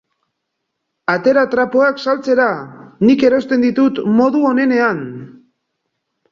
Atera trapuak saltzera, nik erosten ditut modu onenean